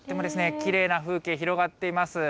きれいな風景、広がっています。